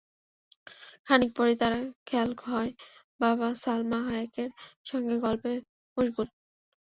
খানিক পরই তাঁর খেয়াল হয়, বাবা সালমা হায়েকের সঙ্গে গল্পে মশগুল।